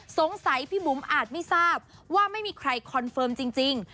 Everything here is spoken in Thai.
สงสัยพี่บุ๋มอาจไม่ทราบว่าไม่มีใครคอนเฟิร์มจริง